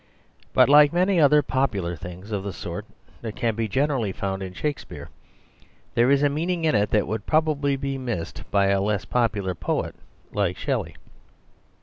But like many other popular things, of the sort that can generally be found in Shakespeare, there is a meaning "fl^ The Story of the Voto 85 in it that would probably be missed by a less popular poet, like Shelley.